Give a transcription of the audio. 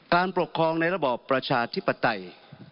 การปกครองในระบอบประชาธิปไตย